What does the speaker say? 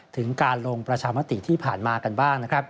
ถึงการลงประชามติที่ผ่านมากันบ้างนะครับ